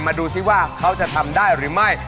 ดูสิว่าเขาจะทำได้หรือไม่